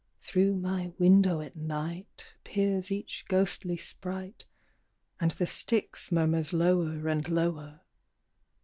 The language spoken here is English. Through my window at night, Peers each ghostly sprite, And the Styx murmurs lower and lower.